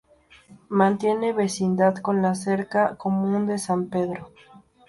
Mantiene vecindad con la cerca comuna de San pedro.